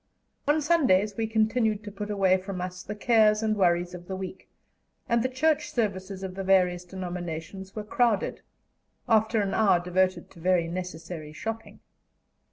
On Sundays we continued to put away from us the cares and worries of the week, and the Church services of the various denominations were crowded, after an hour devoted to very necessary shopping.